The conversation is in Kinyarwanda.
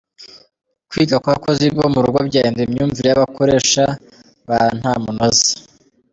Kwiga kw’abakozi bo mu rugo byahindura imyumvire y’abakoresha ba ntamunoza.